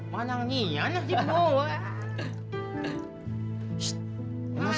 saya tidak ingin berhubung dengan anda